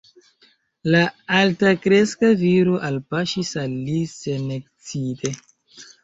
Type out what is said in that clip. La altakreska viro alpaŝis al li senekscite.